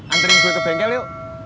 antri gue ke bengkel yuk